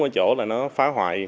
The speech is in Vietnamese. ở chỗ là nó phá hoại